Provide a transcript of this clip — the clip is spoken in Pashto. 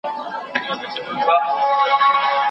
ژبه بايد ازاده پاتې شي.